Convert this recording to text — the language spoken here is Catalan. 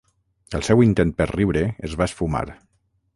El seu intent per riure es va esfumar.